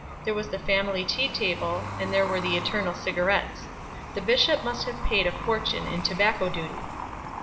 There was the family tea table, and there were the eternal cigarettes. The Bishop must have paid a fortune in tobacco duty."